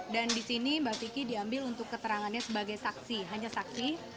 dan di sini mbak vicky diambil untuk keterangannya sebagai saksi hanya saksi